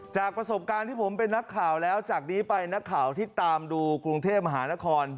จากประสบการณ์ที่ผมเป็นนักข่าวแล้วจากนี้ไปนักข่าวที่ตามดูกรุงเทพมหานคร